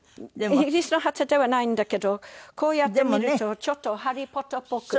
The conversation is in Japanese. イギリスの旗ではないんだけどこうやって見るとちょっと『ハリー・ポッター』っぽく。